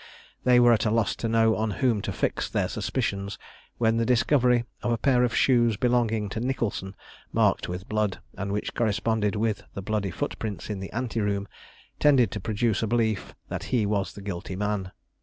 They were at a loss to know on whom to fix their suspicions; when the discovery of a pair of shoes belonging to Nicholson, marked with blood, and which corresponded with the bloody footprints in the ante room, tended to produce a belief that he was the guilty man.